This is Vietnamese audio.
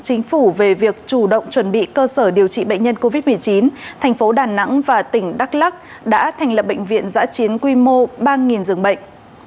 chính phủ về việc chủ động chuẩn bị cơ sở điều trị bệnh nhân covid một mươi chín thành phố đà nẵng và tỉnh đắk lắc đã thành lập bệnh viện giã chiến quy mô ba giường bệnh